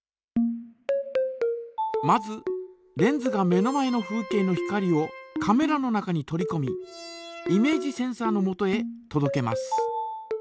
まずレンズが目の前の風景の光をカメラの中に取りこみイメージセンサのもとへとどけます。